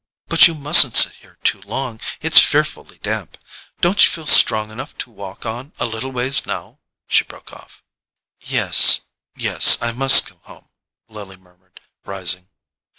But you mustn't sit here too long—it's fearfully damp. Don't you feel strong enough to walk on a little ways now?" she broke off. "Yes—yes; I must go home," Lily murmured, rising.